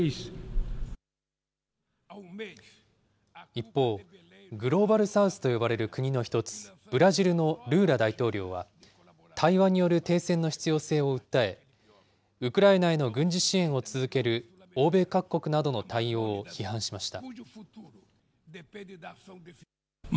一方、グローバル・サウスと呼ばれる国の１つ、ブラジルのルーラ大統領は、対話による停戦の必要性を訴え、ウクライナへの軍事支援を続ける欧米各国などの対応を批判しました。